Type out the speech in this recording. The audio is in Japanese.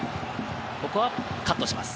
ここはカットします。